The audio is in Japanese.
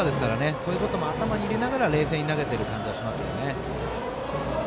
そういうことも頭に入れながら冷静に投げている感じがあります。